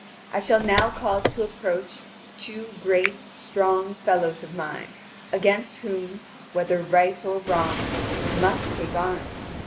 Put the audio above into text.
I shall now cause to approach two great, strong fellows of mine, against whom, whether right or wrong, you must take arms.